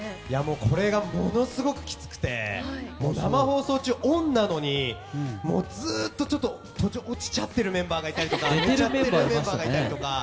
これがものすごくきつくて生放送中、オンなのにずっと落ちちゃってるメンバーがいたりとか寝ているメンバーがいたりとか。